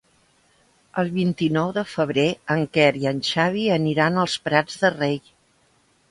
El vint-i-nou de febrer en Quer i en Xavi aniran als Prats de Rei.